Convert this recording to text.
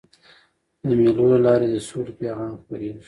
د مېلو له لاري د سولي پیغام خپرېږي.